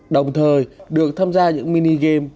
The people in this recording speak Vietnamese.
đồng thời được tham gia những mini game